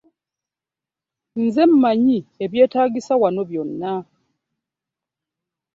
Nze mmanyi ebyetaagisa wano byonna.